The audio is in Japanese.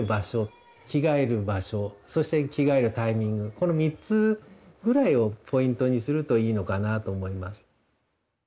この３つぐらいをポイントにするといいのかなと思います。